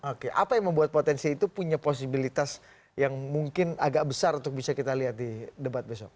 oke apa yang membuat potensi itu punya posibilitas yang mungkin agak besar untuk bisa kita lihat di debat besok